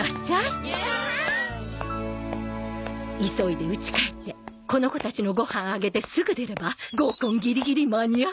急いでうち帰ってこの子たちのご飯あげてすぐ出れば合コンギリギリ間に合うわ。